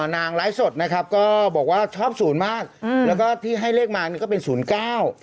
การไลฟ์สดนะครับก็บอกว่าชอบศูนย์มากแล้วก็ที่ให้เลขมาก็เป็นศูนย์๙